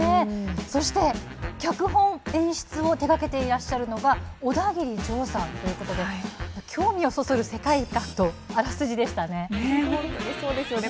そして脚本・演出を手がけていらっしゃるのがオダギリジョーさんということで興味をそそる世界観とあらすじですね。